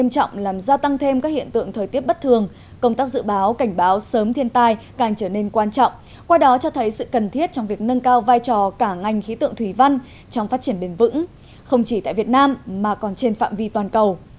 trong thêm các hiện tượng thời tiết bất thường công tác dự báo cảnh báo sớm thiên tai càng trở nên quan trọng qua đó cho thấy sự cần thiết trong việc nâng cao vai trò cả ngành khí tượng thủy văn trong phát triển bền vững không chỉ tại việt nam mà còn trên phạm vi toàn cầu